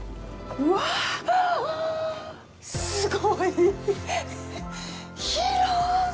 うわあすごい。広っ。